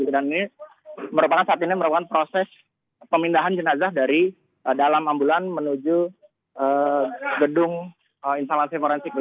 dan ini merupakan saat ini merupakan proses pemindahan jenazah dari dalam ambulan menuju gedung instalasi forensik